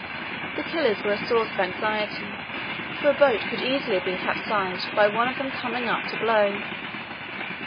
The killers were a source of anxiety, for a boat could easily have been capsized by one of them coming up to blow.